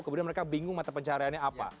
kemudian mereka bingung mata pencahariannya apa